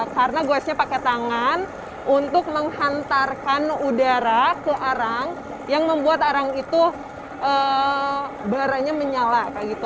karena goesnya pakai tangan untuk menghantarkan udara ke arang yang membuat arang itu barangnya menyala